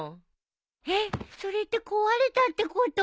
えっそれって壊れたってこと？